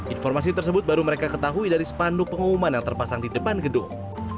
informasi tersebut baru mereka ketahui dari spanduk pengumuman yang terpasang di depan gedung